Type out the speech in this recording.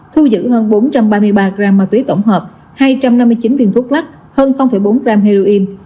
thu giữ hơn bốn trăm ba mươi ba gram ma túy tổng hợp hai trăm năm mươi chín viên thuốc lắc hơn bốn gram heroin